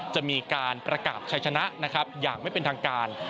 จะมีการประกาศใช้ชนะนะครับอย่างไม่เป็นทางการ